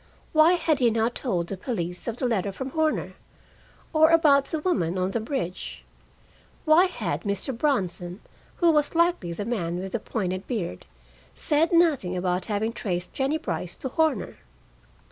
Why had he not told the police of the letter from Horner? Or about the woman on the bridge? Why had Mr. Bronson, who was likely the man with the pointed beard, said nothing about having traced Jennie Brice to Horner?